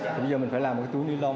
bây giờ mình phải làm túi ni lông